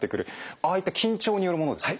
ああいった緊張によるものですか？